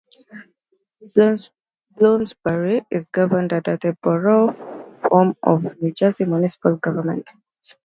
Bloomsbury is governed under the Borough form of New Jersey municipal government.